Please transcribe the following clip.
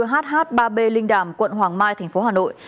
hh ba b linh đàm quận hoàng mai tp hà nội